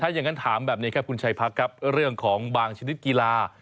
อย่างนั้นถามแบบนี้ครับคุณชัยพักครับเรื่องของบางชนิดกีฬา